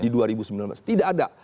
di dua ribu sembilan belas tidak ada